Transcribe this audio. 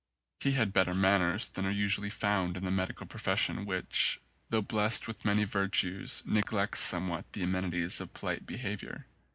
He had better manners than are usually found in the medical profession which, though blest with many virtues, neglects somewhat the amenities of polite behaviour.